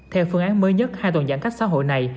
theo phương án mới nhất hai tuần giãn cách xã hội này